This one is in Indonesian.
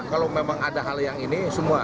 kalau memang ada hal yang ini semua